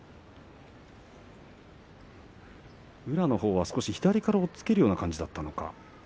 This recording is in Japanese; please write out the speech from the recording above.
宇良のほうは少し、左から押っつけるような感じだったのか。